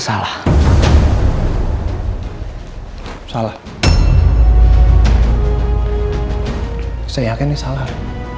seharian pernah dikonsumsi kan